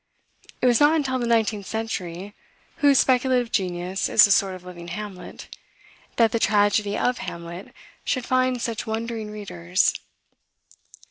It was not until the nineteenth century, whose speculative genius is a sort of living Hamlet, that the tragedy of Hamlet should find such wondering readers.